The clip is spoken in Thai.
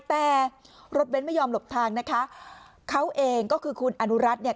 แต่รถเบ้นไม่ยอมหลบทางนะคะเขาเองก็คือคุณอนุรัติเนี่ย